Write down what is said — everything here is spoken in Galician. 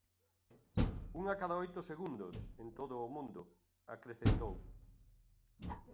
"Unha cada oito segundos" en todo o mundo, acrecentou.